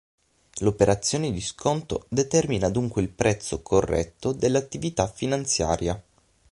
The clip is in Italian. L'operazione di sconto determina dunque il prezzo "corretto" dell'attività finanziaria.